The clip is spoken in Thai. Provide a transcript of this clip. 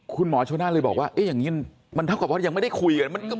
คุณหมอชนนั่นเลยบอกว่าอย่างนี้มันเท่ากับว่ายังไม่ได้คุยกัน